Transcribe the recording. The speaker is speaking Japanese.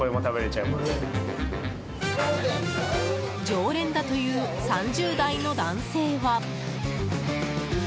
常連だという３０代の男性は。